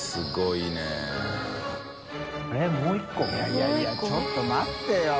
いやいやちょっと待ってよ